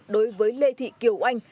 đối với lê thị kiều anh